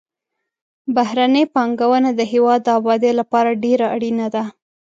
بهرنۍ پانګونه د هېواد د آبادۍ لپاره ډېره اړینه ده.